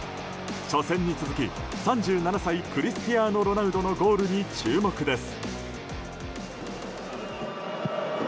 初戦に続き、３７歳クリスティアーノ・ロナウドのゴールに注目です。